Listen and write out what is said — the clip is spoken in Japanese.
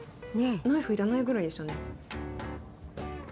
ナイフいらないぐらいですよね。